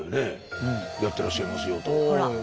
やってらっしゃいますよ。